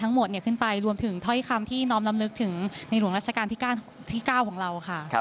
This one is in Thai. ทั้งหมดขึ้นไปรวมถึงเท้าที่คำที่น้อมลำลึกถึงในหลวงราชการที่๙ของเรา